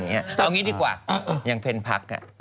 เอางี้ดีกว่า